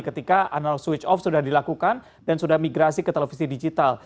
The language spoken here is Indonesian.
ketika analo switch off sudah dilakukan dan sudah migrasi ke televisi digital